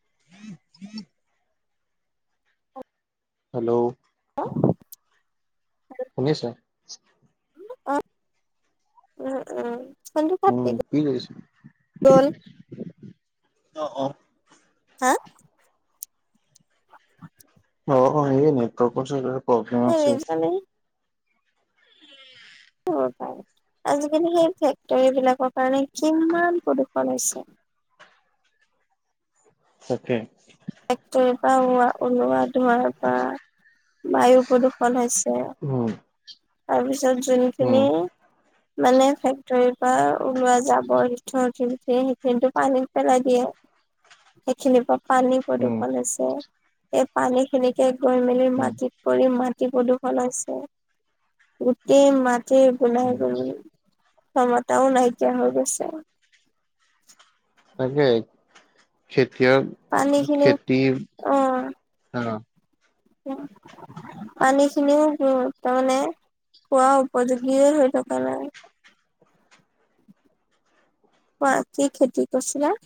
উম উম [unintelligible] hello অ শুনিছো অ উ উম চন্ত পাটতি উম [unintelligible] কি কৈছে অ অ হা অ এই নেটৰ্ক চ প্ৰব্লেম পাৰে। আছে উম পাৰে আজিকালি সেই ফেক্টৰী বিলাকৰ কাৰণে কিমান প্ৰদূৰষণ হৈছে তাকে ট্ৰেক্টৰে পৰা ওৱা ওলোৱা ধোঁৱাৰ পৰা বায়ু প্ৰদূষণ হৈছে উম তাৰপিছত উম যোনখিনি মানে ফেক্টৰীৰ পৰা ওলোৱা যাবৰ যথোৰ সতে উঠে সেইখিনিতো পানীত পেলাই দিয়ে সেইখিনিৰ পৰা পানী উম প্ৰদূৰ্ষণ আছে পানী খিনিকে গৈ মেলি উম মাটিত কৰি মাটি প্ৰদূষণ হৈছে গোটেই মাটিৰ শু নাই উম গ ক্ষমতাও নাইকিয়া হৈ গৈছে তাকাক খেতিয় পানী খিনিও খেতি অ উম পানী খিনিও উ তাৰমানে খোৱা উপযোগী হৈ থকা নাই কোৱা কি খেতি কৰিছিলা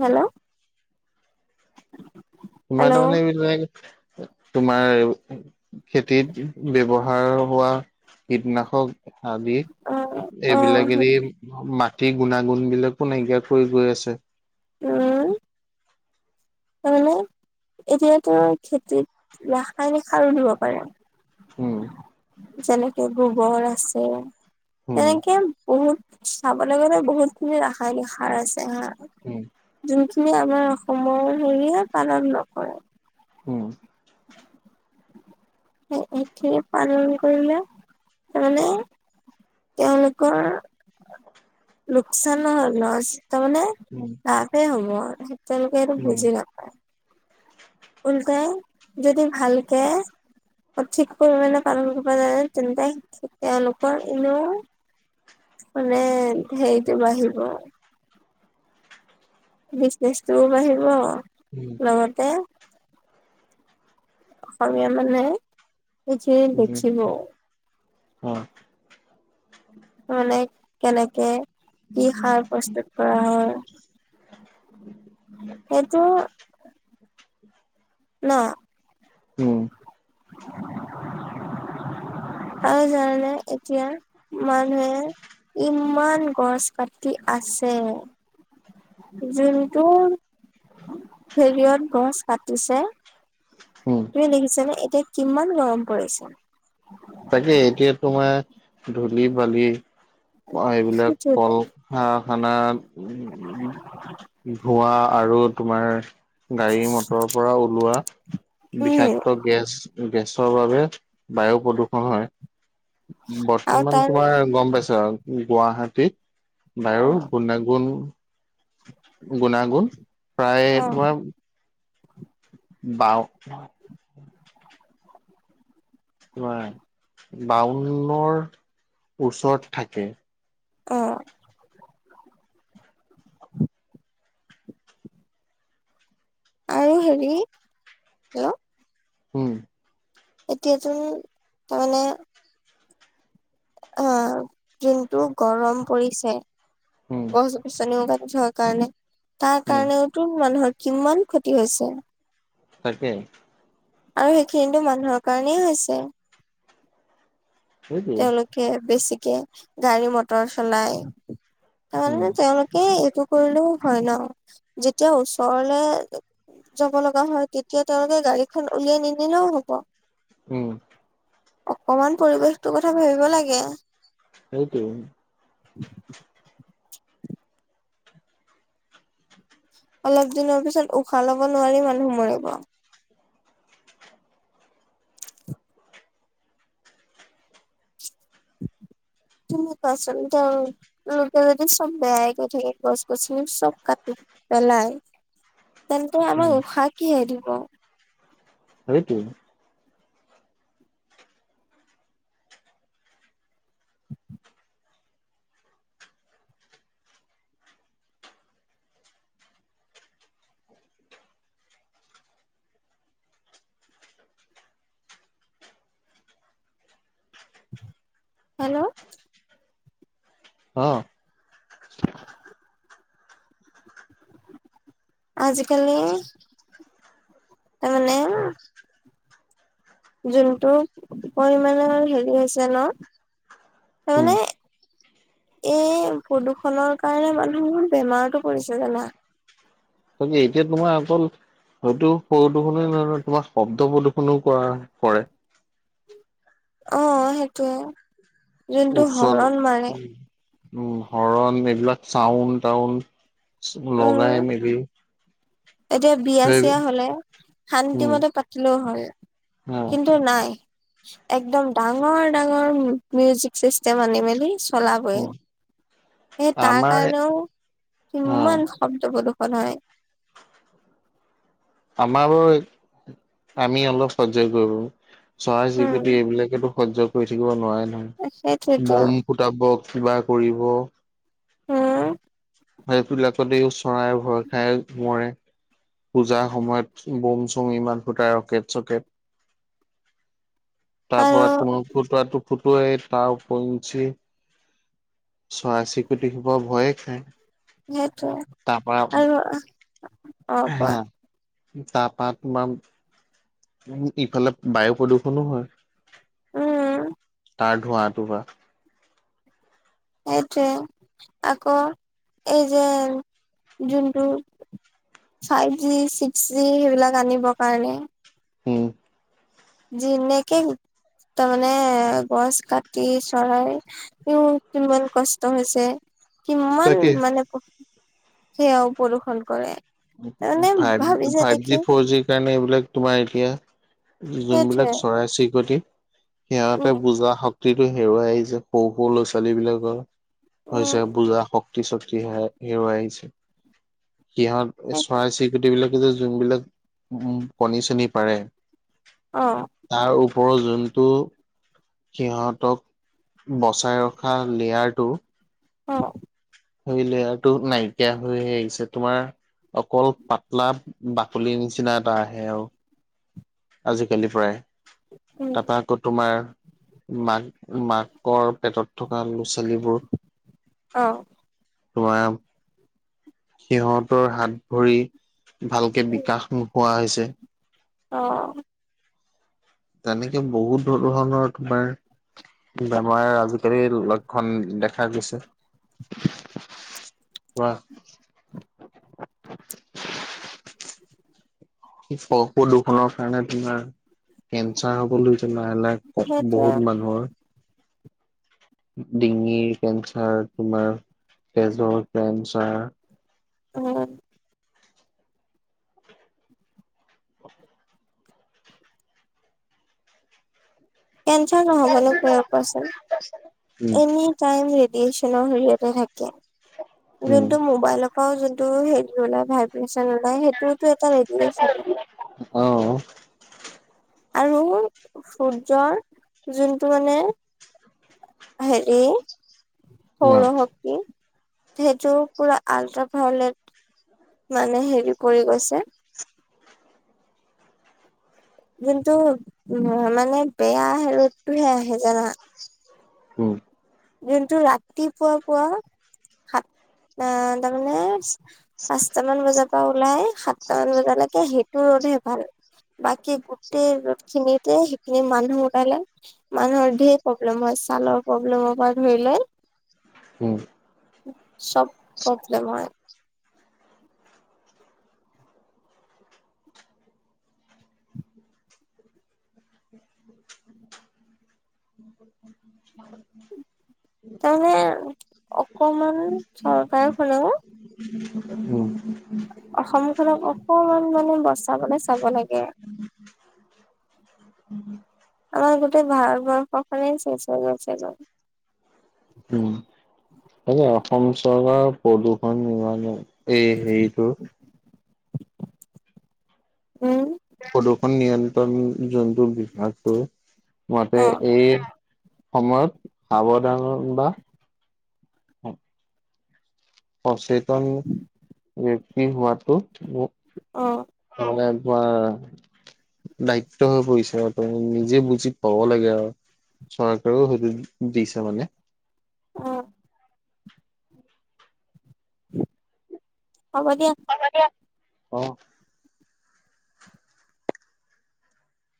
হেল্ল' তোমাৰ হেল্ল' তাৰমানে এইবিলাক তোমাৰ খেতিত ব্যৱহাৰ হোৱা কীটনাশক আদি অ অ এইবিলাক এৰি মাটি গুণাগুণ বিলাকো নাইকিয়া কৰি গৈ আছে উম তাৰ মমানে এতিয়াতো খেতিত ৰাসায়নিক সাৰো দিব পাৰে উম যেনেকে গোবৰ আছে উম তেনেকে বহুত চাবলৈ গ'লে বহুত খিনি ৰাসায়নিক সাৰ আছে হ ও [unintelligible] যোনখিনি আমাৰ অসমৰ হেৰিহে পালন নকৰে উম সতি পালন কৰিলে মানে তেওঁলোকৰ লোকচান নহ ল তাৰ মানে তাপে হব সতিয়ালকে এইটো উম বুজিলা উল্টাই যদি ভালকে সঠিক পৰিমাণে পালন কৰিব যায় তেন্তে তেওঁলোকৰ এনেও মানে সেইটো বাঢ়িব বিজনেচটোও বাঢ়িব উম লগতে অসমীয়া মানে কিজ দেখিব হয় মানে কেনেকে কি সাৰ প্ৰস্তুত কৰা হয় সেইটো ন উম [unintelligible] আৰু জানে এতিয়া মানুহে ইমান গছ পতি আছে জুইটো হেৰিয়ত গছ কাটিছে উম তুমি দেখিছানে এতিয়া কিমান গৰম পৰিছে তাকে এতিয়া তোমাৰ ধূলি বালি এইবিলাক সেইটোৱেটো কল কৰখানা ধোৱা আৰু তোমাৰ গাড়ী মটৰৰ পৰা ওলোৱা উম বিষাক্ত গেছ গেছৰ বাবে বায়ু প্ৰদূৰষণ হয়। আৰু বৰ্তমান তাৰ তোমাৰ গম পাইছ আৰু গুৱাহাটী অ বায়ু গুণাগুণ গুণাগুণ প্ৰায় অ তোমাৰ বাও বাউনৰ ওচৰত থাকে। অ'। আৰু হেৰি [unintelligible] উম। এতিয়াটো তাৰমানে অ', যোনটো গৰম পৰিছে উম গছ গছনিও কাটি থকাৰ কাৰণে তাৰ উম কাৰণেওটো মানুহৰ কিমান ক্ষতি হৈছে। তকে। আৰু সেইখিনিতো মানুহৰ কাৰণেই হৈছে। সেইটোৱে তেওঁলোকে বেছিকে গাড়ী মটৰ চলাই উম তাৰমানে তেওঁলোকে এইটো কৰিলেও হয় ন যেতিয়া ওচৰলে যাব লগা হয় তেতিয়া তেওঁলোকে গাড়ীখন উলিয়াই নিনিলেও হ'ব। উম। অকমান পৰিৱেশটো কথা ভাবিব লাগে। সেইটোৱে। [unintelligible] অলপ দিনৰ পিছত উশাহ লব নোৱাৰি মানুহ মৰিব। তুমি কোৱাছোন এতিয়া লোকে যদি চব বেয়াই কৈ থাকে গছ গছনি চব কাটি পেলায়। তেন্তে আমাক উম উশাহ কিহে দিব? সেইটোৱে। হেল্ল'? অ'। আজিকালি তাৰমানে যোনটো পৰিমানৰ হেৰি হৈছে ন উম তাৰমানে এই প্ৰদূষণৰ কাৰণে মানুহ বোৰ বেমাৰটো পৰিছে জানা। তাকে, এতিয়া তোমাৰ অকল হয়তো, [unintelligible] ন তোমাৰ শব্দ প্ৰদূৰ্ষণও কৰা কৰে অ', সেইটোয়ে, যোনটো উচ্চ হৰণ মাৰে। উম, হৰণ, এইবিলাক ছাউণ্ড-টাউণ্ড উম লগাই মেলি এতিয়া, সেই বিয়া-চিয়া হ'লে, শান্তি উম মতে পাতিলেও হয়। অ কিন্তু, নাই একদম ডাঙৰ-ডাঙৰ মিউজিক চিষ্টেম আনি মেলি চলাবই। উম সে তাৰ আমাৰ কাৰণেও অ কিমান শব্দ প্ৰদূষণ হয়। আমাৰ, [unintelligible] আমি অলপ, [unintelligible] উম চৰাই-চিৰিকুটি, এইবিলাকেতো সহ্য কৰি থাকিব নোৱাৰে নহয় সেইটোৱেতো বম ফুটাব কিবা কৰিব। হম। সেইবিলাকতে চৰাই ভয় খাই মৰে। পূজাৰ সময়ত বোম চোম ইমান ফুটাই ৰকেট চকেট। তাৰ আৰু পৰা তোমাৰ ফুটোৱাটো ফুটোৱা তাৰ ওপৰিঞ্চি চৰাই চিৰিকতি সোপা ভয়ে খায়। সেইটোৱে তাৰপৰা আৰু অ', কোৱা। তাৰপা তোমাৰ ইফালে বায়ু প্ৰদূষণো হয়। উম। তাৰ ধোঁৱাটো পৰা। সেইটোৱে আকৌ, এই যে, যোনটো ফাইভ জি, ছিক্স জি, সেইবিলাক আনিবৰ কাৰণে। উম। [unintelligible] তাৰমানে, গছ কাটি, চৰাই [unintelligible] কিমান কষ্ট হৈছে কিমান তাকে মানে, সেয়াও প্ৰদূৰ্ষণ কৰে। মানে ভাবিছে ফাইভ-ফাইভ নেকি জি, ফ'ৰ জি সেইকাৰণে এইবিলাক, তোমাৰ এতিয়া, সেইটোৱে যোনবিলাক চৰাই-চিৰিকটি সিহঁতে উম বুজা শক্তিটো হেৰুৱাই আহিছে, সৰু-সৰু ল'ৰা-ছোৱালীবিলাকৰ হৈছে, উম বুজা শক্তি-চক্তি হেৰুৱাই আহিছে, সিহঁত চৰাই-চিৰিকটিবিলাকে যে, যোনবিলাক উ, কণী-চণী পাৰে অ'। তাৰ ওপৰত, যোনটো সিহঁতক বচাই ৰখা লেয়াৰটো অ'। সেই, লেয়াৰটো নাইকিয়া হৈ আহিছে, তোমাৰ অকল, পাতলা বাকলিৰ নিচিনা, এটা আহে আৰু। আজিকালিৰ প্ৰায়, উম তাৰপৰা আকৌ, তোমাৰ মাক-মাকৰ পেটত থকা ল'ৰা-ছোৱালীবোৰ। অ'। [unintelligible] সিহঁতৰ হাত-ভৰি, ভালকে বিকাশ নোহোৱা হৈছে অ'। তেনেকে, বহুত ধৰণৰ, তোমাৰ বেমাৰৰ, আজিকালি, লক্ষণ দেখা দিছে। [unintelligible] [unintelligible] প্ৰদূষণৰ কাৰণে, তোমাৰ, কেঞ্চাৰ হ'বলৈ লৈছে, লাহে-লাহে সেইটোৱে বহুত মানুহৰ ডিঙিৰ কেঞ্চাৰ, তোমাৰ, তেজৰ কেঞ্চাৰ অ'। কেঞ্চাৰ নহ'বনো কিয় কোৱাচোন, উম এনে [unintelligible] ৰেডিয়েচনৰ হেৰিয়তে থাকে। উম যোনটো মোবাইল যোনটো হেৰি ওলাই ভাইব্ৰেচন ওলাই, সেইটোওতো এটা ৰেডিয়েচনে। অ'। আৰু সূৰ্যৰ যোনটো মানে হেৰি, সৌৰ শ ক্তি, সেইটো পৰা আল্ট্ৰাভায়লেট মানে, হেৰি কৰি গৈছে যোনটো, মানে বেয়া ৰ'দটোহে আহে, জানা হম। যোনটো, ৰাতিপুৱা -পুৱা সাঁত আহ, তাৰমানে পাঁচটামান বজাৰ পৰা ওলাই সাতটামান বজালৈকে, সেইটো ৰ'দহে ভাল। বাকী গোটেই ৰ'দ খিনিতে সেইখিনি মানুহ ওলালে মানুহৰ ধেৰ প্ৰব্লেম হয়, ছালৰ প্ৰব্লেম [unintelligible] ধৰিলৈ, উম চব প্ৰব্লেম হয় [inaudible] তাৰমানে, অকমান চৰকাৰে, হেল্লো উম। অসমখনক অকমান, মানে বচাবলে চাব লাগে। আমাৰ গোটেই ভাৰতবৰ্ষখনেই চেছ হৈ গৈছে গৈ। উম। তাকে, অসম চৰকাৰৰ প্ৰদূষণ [unintelligible] এই হেৰিটো [unintelligible] উম। প্ৰদূষণ নিয়ন্ত্ৰণ জন্তু বিভাগটোৰ মতে অ', এই সময়ত, সাৱধানতা সচেতন, ব্যক্তি হোৱাতো অ', মানে তোমাৰ দায়িত্ব হৈ পৰিছে আৰু [unintelligible] নিজে বুজি পাব লাগে আৰু। চৰকাৰেও, সেইটো দিছে মানে। অ', হ'ব দিয়া। অ',